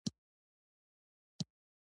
لاندې معادلې په خپلو کتابچو کې ولیکئ.